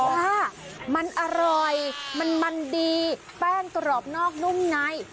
ค่ะมันอร่อยมันมันดีแป้งกรอบนอกนุ่มใน